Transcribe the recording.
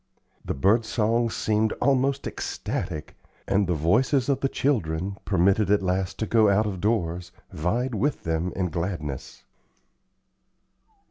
The bird songs seemed almost ecstatic, and the voices of the children, permitted at last to go out of doors, vied with them in gladness.